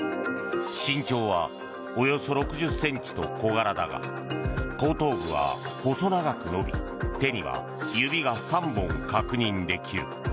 身長はおよそ６０ｃｍと小柄だが後頭部は細長く伸び手には指が３本確認できる。